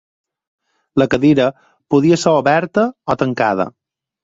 La cadira podia ser oberta o tancada.